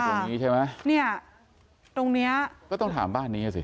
ตรงนี้ใช่ไหมเนี่ยตรงเนี้ยก็ต้องถามบ้านนี้สิ